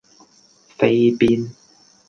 飛邊